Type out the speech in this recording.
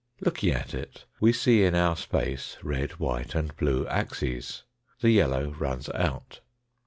Looking at it we see in our space, red, white, and blue axes. The yellow runs out.